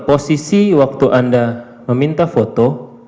posisi waktu anda meminta foto